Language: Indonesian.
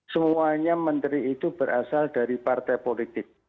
semuanya menteri itu berasal dari partai politik